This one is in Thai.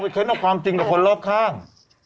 เค้นเอาความจริงกับคนรอบข้าง